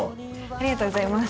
ありがとうございます。